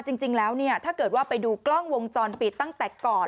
จริงแล้วเนี่ยถ้าเกิดว่าไปดูกล้องวงจรปิดตั้งแต่ก่อน